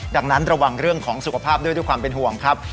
ดังนั้นระวังเรื่องของสุขภาพด้วยด้วยความเป็นห่วงครับ